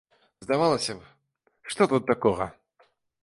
Здавалася б, што тут такога?